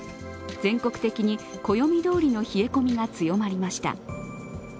全国的に暦どおりの冷え込みが強まりました。